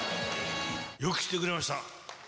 よく来てくれました。